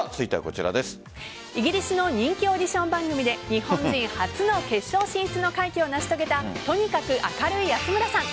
イギリスの人気オーディション番組で日本人初の決勝進出の快挙を成し遂げたとにかく明るい安村さん。